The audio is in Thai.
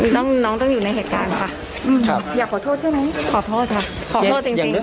ยังไงก็ไม่แก้แค้นเนาะ